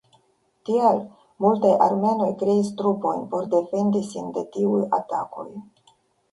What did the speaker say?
Tial, multaj armenoj kreis trupojn por defendi sin de tiuj atakoj.